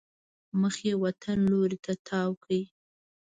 مخ یې وطن لوري ته تاو کړی.